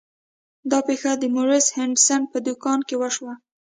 دا پیښه د مورس هډسن په دکان کې وشوه.